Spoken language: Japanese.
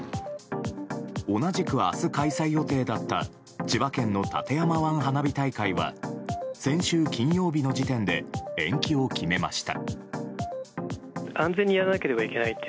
同じく明日、開催予定だった千葉県の館山湾花火大会は先週金曜日の時点で延期を決めました。